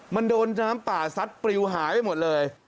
มันโดนน้ำป่าซัดปริวหายไปหมดเลย